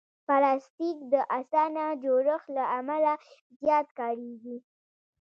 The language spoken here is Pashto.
پلاستيک د اسانه جوړښت له امله زیات کارېږي.